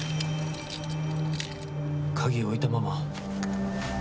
鍵置いたまま。